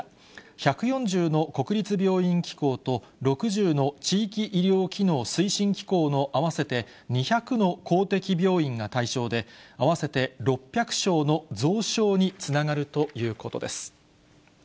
１４０の国立病院機構と６０の地域医療機能推進機構の合わせて２００の公的病院が対象で、合わせて６００床の増床につながるということです。